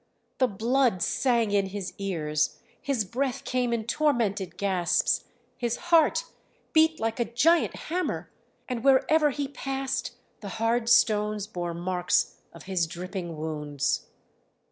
The blood sang in his ears, his breath came in tormented gasps, his heart beat like a giant hammer, and wherever he passed the hard stones bore marks of his dripping wounds.